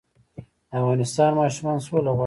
د افغانستان ماشومان سوله غواړي